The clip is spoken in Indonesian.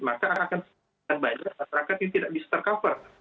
maka akan banyak masyarakat yang tidak bisa ter cover